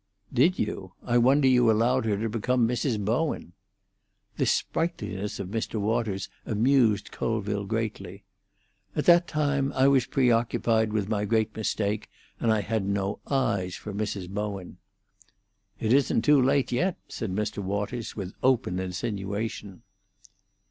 "Did you? I wonder you allowed her to become Mrs. Bowen." This sprightliness of Mr. Waters amused Colville greatly. "At that time I was preoccupied with my great mistake, and I had no eyes for Mrs. Bowen." "It isn't too late yet," said Mr. Waters, with open insinuation.